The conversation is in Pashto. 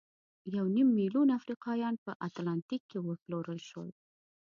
یو نیم میلیون افریقایان په اتلانتیک کې وپلورل شول.